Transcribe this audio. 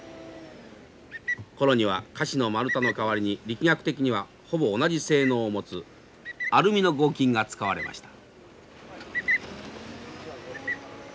転木にはカシの丸太の代わりに力学的にはほぼ同じ性能を持つアルミの合金が使われました。